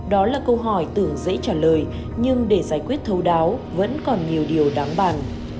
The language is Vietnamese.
đó là câu hỏi tưởng dễ trả lời nhưng để giải quyết thấu đáo vẫn còn nhiều điều đáng bàn